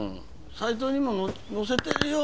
サイトにも載せてるよ